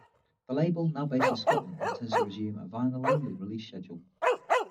The label, now based in Scotland, intends to resume a vinyl-only release schedule.